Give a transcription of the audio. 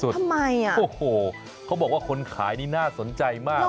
ทำไมอ่ะโอ้โหเขาบอกว่าคนขายนี่น่าสนใจมาก